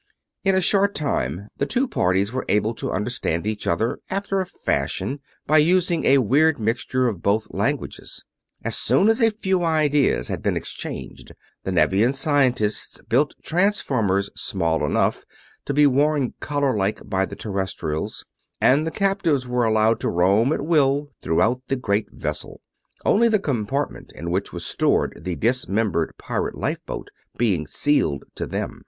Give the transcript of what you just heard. In a short time the two parties were able to understand each other after a fashion, by using a weird mixture of both languages. As soon as a few ideas had been exchanged, the Nevian scientists built transformers small enough to be worn collar like by the Terrestrials, and the captives were allowed to roam at will throughout the great vessel; only the compartment in which was stored the dismembered pirate lifeboat being sealed to them.